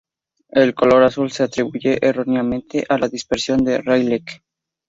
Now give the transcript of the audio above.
El color azul se atribuye erróneamente a la dispersión de Rayleigh.